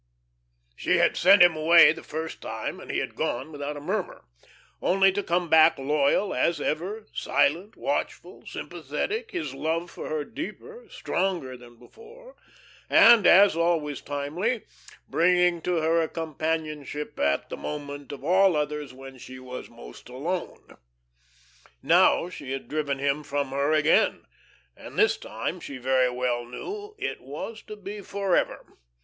She had sent him away the first time, and he had gone without a murmur; only to come back loyal as ever, silent, watchful, sympathetic, his love for her deeper, stronger than before, and as always timely bringing to her a companionship at the moment of all others when she was most alone. Now she had driven him from her again, and this time, she very well knew, it was to be forever.